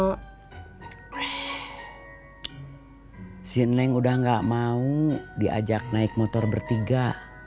si neng udah gak mau diajak naik motor bertiga